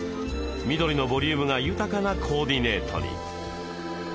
緑のボリュームが豊かなコーディネートに。